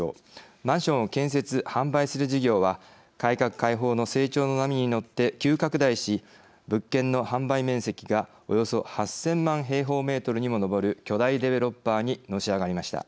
マンションを建設・販売する事業は改革開放の成長の波に乗って急拡大し、物件の販売面積がおよそ８０００万平方メートルにも上る巨大デベロッパーにのし上がりました。